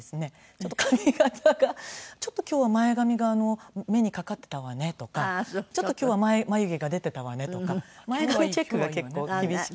ちょっと髪形が「ちょっと今日は前髪が目にかかっていたわね」とか「ちょっと今日は眉毛が出ていたわね」とか前髪チェックが結構厳しく。